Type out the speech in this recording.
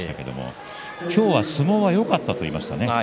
今日は相撲はよかったと言いました。